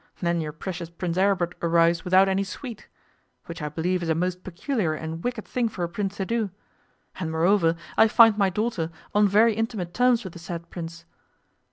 Then your precious Prince Aribert arrives without any suite which I believe is a most peculiar and wicked thing for a Prince to do and moreover I find my daughter on very intimate terms with the said Prince.